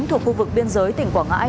thuộc khu vực biên giới tỉnh quảng ngãi